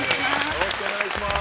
よろしくお願いします。